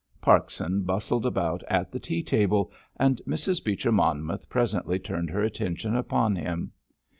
Parkson bustled about at the tea table, and Mrs. Beecher Monmouth presently turned her attention upon him.